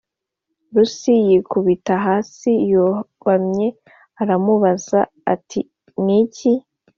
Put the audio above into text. Rusi yikubita hasi yubamye aramubaza ati Ni iki